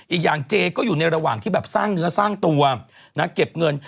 อีกอย่างเจก็อยู่ในระหว่างที่แบบสร้างเนื้อสร้างตัวนะเก็บเงิน